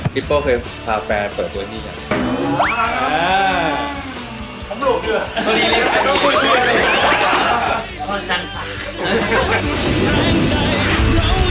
ปิปโป้เคยพาแปรนเปิดตัวนี้